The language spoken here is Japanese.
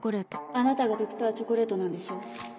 あなたがＤｒ．チョコレートなんでしょ